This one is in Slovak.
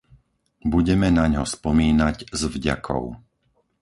Budeme naňho spomínať s vďakou.